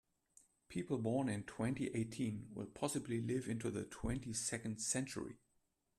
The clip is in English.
People born in twenty-eighteen will possibly live into the twenty-second century.